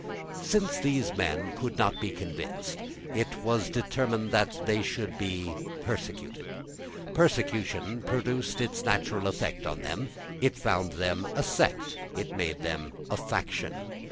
Since these men could not be convinced, it was determined that they should be persecuted. Persecution produced its natural effect on them. It found them a sect: it made them a faction.